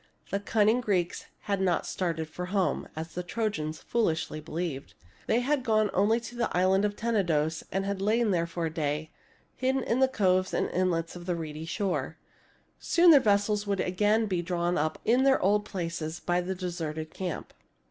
The cunning Greeks had not started for home, as the Trojans foolishly believed. They had gone only to the island of Tenedos and had lain there all day, hidden in the coves and inlets of the reedy shore. Soon their vessels would again be drawn up in their old places by the deserted camp.